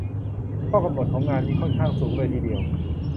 ข้อกำหนดของงานนี้ ค่อนข้างสูงเลยทีเดียว